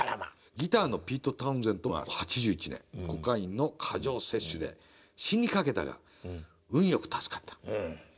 「ギターのピート・タウンゼントは８１年コカインの過剰摂取で死にかけたが運よく助かった」。